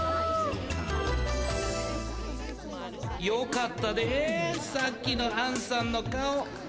よかったでさっきのあんさんの顔。